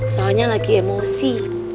soalnya lagi emosi